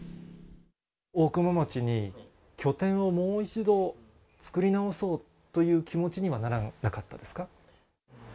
大熊町に拠点をもう一度作り直そうという気持ちにはならなかったですか。